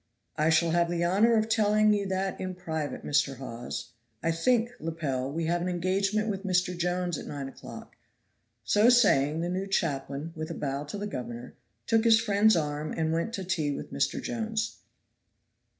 "I shall have the honor of telling you that in private, Mr. Hawes. I think, Lepel, we have an engagement with Mr. Jones at nine o'clock." So saying, the new chaplain, with a bow to the governor, took his friend's arm and went to tea with Mr. Jones.